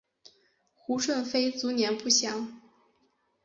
胡顺妃卒年不详。